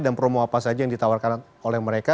dan promo apa saja yang ditawarkan oleh mereka